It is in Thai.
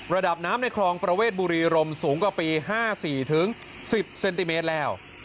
ระดับน้ำในคลองประเวทบุรีรมสูงกว่าปี๕๔๑๐เซนติเมตรแล้ว